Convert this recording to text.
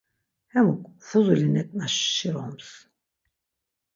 Hemuk fuzuli neǩna şiroms.